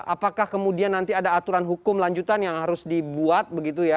apakah kemudian nanti ada aturan hukum lanjutan yang harus dibuat begitu ya